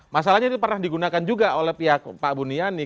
masalahnya itu pernah digunakan juga oleh pihak pak buniani